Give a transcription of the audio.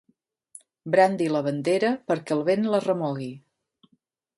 Brandi la bandera perquè el vent la remogui.